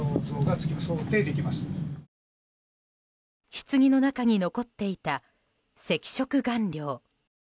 ひつぎの中に残っていた赤色顔料。